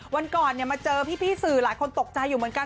วันก่อนมาเจอพี่สื่อหลายคนตกใจอยู่เหมือนกัน